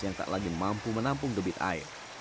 yang tak lagi mampu menampung debit air